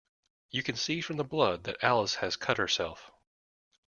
You can see from the blood that Alice has cut herself